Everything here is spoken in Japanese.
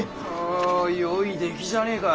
およい出来じゃねえか。